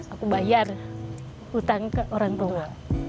aku bayar hutang ke orang tua